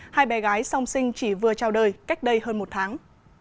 hai bé gái song sinh chỉ vừa trao đời cách đây hơn một tháng